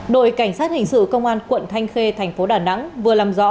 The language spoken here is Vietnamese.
đội cảnh sát hình sự công an quận thanh khê tp đà nẵng vừa làm rõ